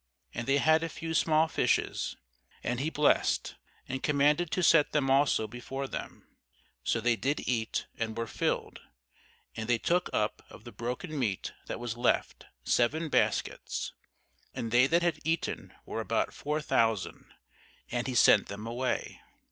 And they had a few small fishes: and he blessed, and commanded to set them also before them. So they did eat, and were filled: and they took up of the broken meat that was left seven baskets. And they that had eaten were about four thousand: and he sent them away.